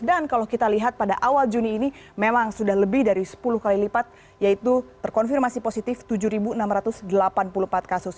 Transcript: dan kalau kita lihat pada awal juni ini memang sudah lebih dari sepuluh kali lipat yaitu terkonfirmasi positif tujuh enam ratus delapan puluh empat kasus